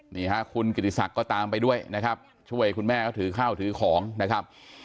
นี่ฮะคุณกิติศักดิ์ก็ตามไปด้วยนะครับช่วยคุณแม่เขาถือข้าวถือของนะครับ